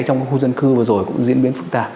trong khu dân cư vừa rồi cũng diễn biến phức tạp